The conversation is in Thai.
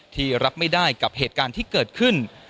ที่รับไม่ได้กับเหตุการณ์ที่เกิดขึ้น